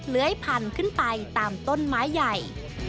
เลื้อยพันขึ้นไปตามต้นไม้ใหญ่